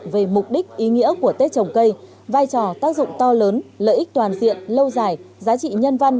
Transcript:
về mục đích ý nghĩa của tết trồng cây vai trò tác dụng to lớn lợi ích toàn diện lâu dài giá trị nhân văn